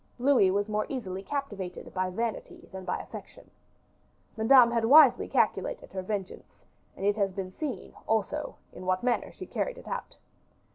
Louis was more easily captivated by vanity than affection. Madame had wisely calculated her vengeance, and it has been seen, also, in what manner she carried it out.